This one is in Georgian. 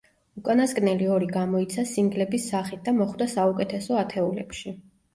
უკანასკნელი ორი გამოიცა სინგლების სახით და მოხვდა საუკეთესო ათეულებში.